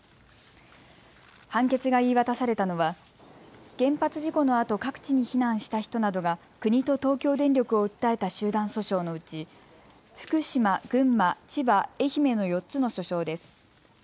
判決が言い渡されたのは原発事故のあと各地に避難した人などが国と東京電力を訴えた集団訴訟のうち福島、群馬、千葉、愛媛の４つの訴訟です。